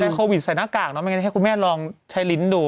โควิดใส่หน้ากากเนอะไม่งั้นให้คุณแม่ลองใช้ลิ้นดู